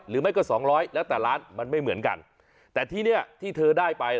หรือไม่ก็สองร้อยแล้วแต่ล้านมันไม่เหมือนกันแต่ที่เนี่ยที่เธอได้ไป